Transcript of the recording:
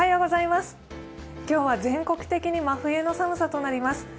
今日は全国的に真冬の寒さとなります。